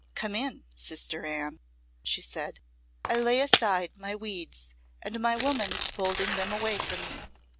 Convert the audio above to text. "Come in, sister Anne," she said. "I lay aside my weeds, and my woman is folding them away for me.